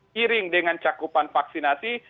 seiring dengan cakupan vaksinasi